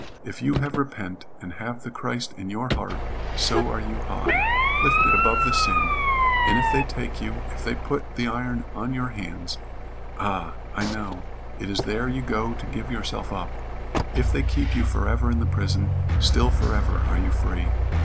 If you have repent, and have the Christ in your heart, so are you high lifted above the sin, and if they take you if they put the iron on your hands Ah, I know, it is there you go to give yourself up, if they keep you forever in the prison, still forever are you free.